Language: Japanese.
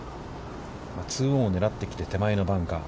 ツーオンを狙ってきて、手前のバンカー。